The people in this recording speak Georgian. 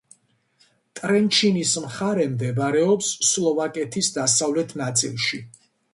ტრენჩინის მხარე მდებარეობს სლოვაკეთის დასავლეთ ნაწილში.